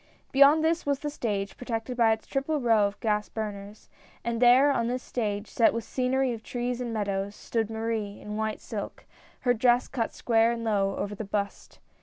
Beyond this was the stage, protected by its triple row of gas burners, and there on this stage set with scenery of trees and meadows, stood Marie in white silk — her dress cut square and low over the bust.